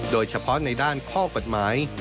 โดยเฉพาะในด้านข้อกฎหมาย